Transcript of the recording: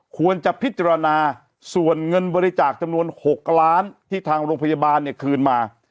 ควรจะพิจารณาส่วนเงินบริจาคจำนวน๖ล้านที่ทางโรงพยาบาลเนี่ยคืนมา